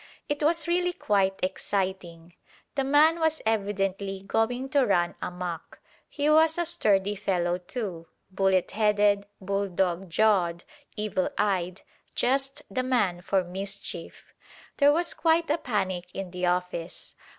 It was really quite exciting: the man was evidently going to run amuck. He was a sturdy fellow too, bullet headed, bulldog jawed, evil eyed: just the man for mischief. There was quite a panic in the office.